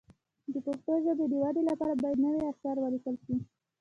د پښتو ژبې د ودې لپاره باید نوي اثار ولیکل شي.